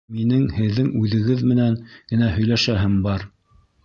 Минең һеҙҙең үҙегеҙ менән генә һөйләшәһем бар.